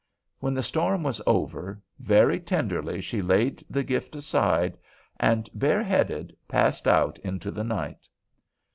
When the storm was over, very tenderly she laid the gift aside, and bareheaded passed out into the night.